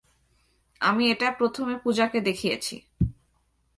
আমি এটা প্রথমে পূজাকে দেখিয়েছি।